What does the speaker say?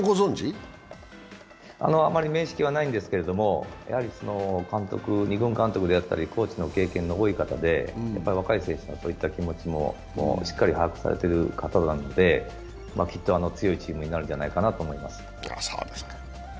あまり面識はないんですけど、２軍監督であったり、コーチの経験の多い方で、若い選手の気持ちもしっかり把握されている方なので、きっと強いチームになるんじゃないかと思います。